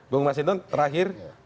bung mas hinton terakhir